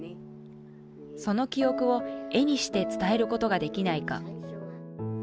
その記憶を絵にして伝えることができないか。